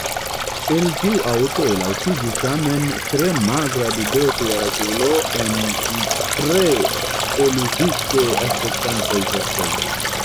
El tiu aŭto elaŭtiĝis tamen tre magra dudekjaraĝulo en tre eluzite aspektantaj vestoj.